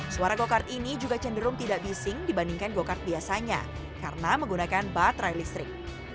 suara go kart ini juga cenderung tidak bising dibandingkan go kart biasanya karena menggunakan baterai listrik